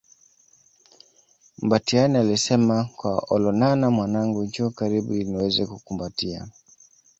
Mbatiany alisema kwa Olonana Mwanangu njoo karibu ili niweze kukukumbatia